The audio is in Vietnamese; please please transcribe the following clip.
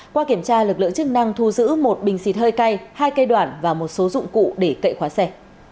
qua kiểm tra lực lượng chức năng thu giữ một bình xịt hơi cay hai cây đoạn và một số dụng cụ để cậy khóa xe